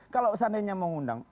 kalau seandainya mau ngundang